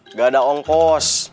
nggak ada ongkos